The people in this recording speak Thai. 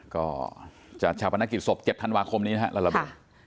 ก็จัดฉากพนักกิจศพเก็บธันวาคมนี้นะครับละละบิน